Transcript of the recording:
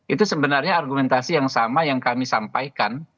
itu sebenarnya argumentasi yang sama yang kami sampaikan